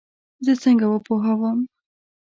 هغه څنګه وپوهوم؟